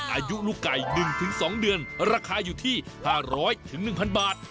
อายุลูกไก่๑๒เดือนราคาอยู่ที่๕๐๐๑๐๐บาท